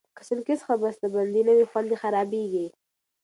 که سنکس ښه بستهبندي نه وي، خوند یې خرابېږي.